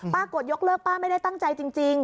กดยกเลิกป้าไม่ได้ตั้งใจจริง